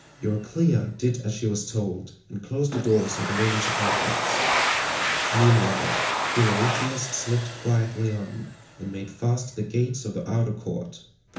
Euryclea did as she was told and closed the doors of the women's apartments. Meanwhile Philoetius slipped quietly out and made fast the gates of the outer court.